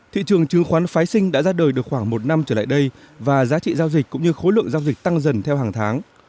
thị trường chứng khoán phái sinh đã ra đời được khoảng một năm trở lại đây và giá trị giao dịch cũng như khối lượng giao dịch tăng dần theo hàng tháng